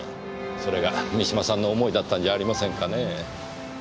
それが三島さんの思いだったんじゃありませんかね。